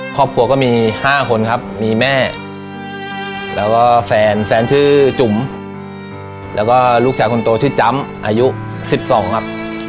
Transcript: ครอบครัวก็มี๕คนครับมีแม่แล้วก็แฟนแฟนชื่อจุ๋มแล้วก็ลูกชายคนโตชื่อจำอายุ๑๒ครับ